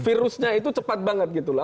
virusnya itu cepat banget gitu lah